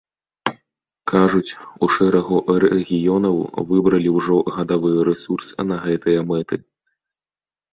Кажуць, у шэрагу рэгіёнаў выбралі ўжо гадавы рэсурс на гэтыя мэты.